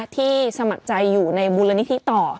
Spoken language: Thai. ที่สมัครใจอยู่ในบุรณนิธิต่อ